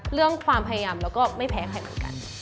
เรื่องความพยายามเราก็ไม่แพ้ใครเหมือนกัน